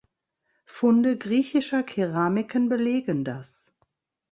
Funde griechischer Keramiken belegen das.